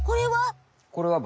これは？